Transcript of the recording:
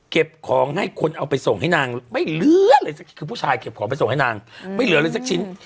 เก็บของให้คนเอาไปส่งให้นางไม่เหลืออะไรสักชิ้น